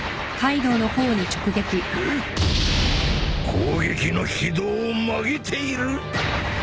攻撃の軌道を曲げている！？